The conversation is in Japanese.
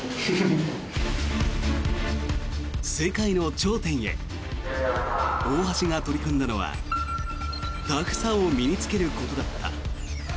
世界の頂点へ大橋が取り組んだのはタフさを身に着けることだった。